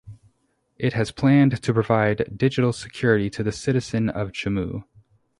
It has planned to provide digital security to the citizen of Jammu.